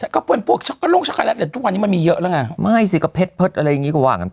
ก็ป๊วยช็อกโกแลตทุกวันนี่มันมีเยอะแล้ว